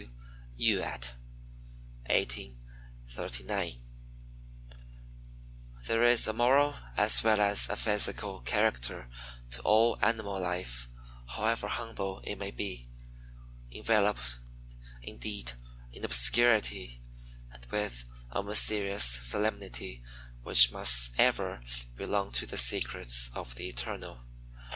W. Youatt, 1839. There is a moral as well as a physical character to all animal life, however humble it may be enveloped indeed in obscurity, and with a mysterious solemnity which must ever belong to the secrets of the Eternal.